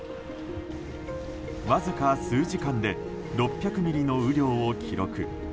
わずか数時間で６００ミリの雨量を記録。